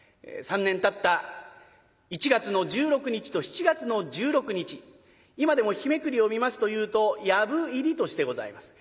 ３年たった１月の１６日と７月の１６日今でも日めくりを見ますというと「藪入り」としてございます。